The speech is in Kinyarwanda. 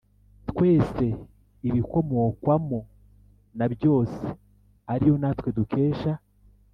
Twese ikomokwamo na byose ari yo natwe dukesha